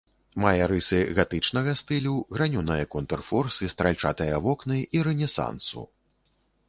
Мае рысы гатычнага стылю, гранёныя контрфорсы, стральчатыя вокны, і рэнесансу.